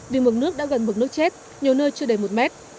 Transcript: vì mực nước đã gần mực nước chết nhiều nơi chưa đầy một mét